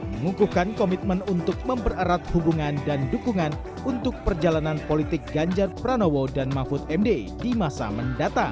mengukuhkan komitmen untuk mempererat hubungan dan dukungan untuk perjalanan politik ganjar pranowo dan mahfud md di masa mendatang